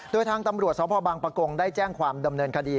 โดยทางตำรวจสพบังปะกงได้แจ้งความดำเนินคดี